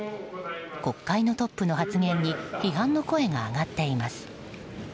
国会のトップの発言に批判の声が上がっています。